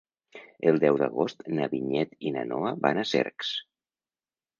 El deu d'agost na Vinyet i na Noa van a Cercs.